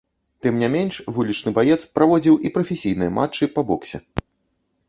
Тым не менш, вулічны баец праводзіў і прафесійныя матчы па боксе.